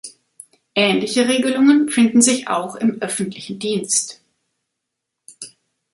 Ähnliche Regelungen finden sich auch im öffentlichen Dienst.